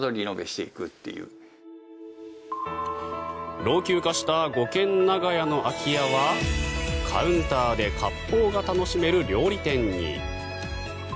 老朽化した五軒長屋の空き家はカウンターで割烹が楽しめる料理店に。